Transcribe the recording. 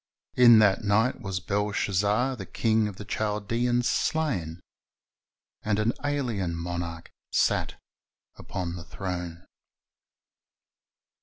"In that night was Belshazzar the king of the Chaldeans slain, "^ and an alien monarch sat upon the throne.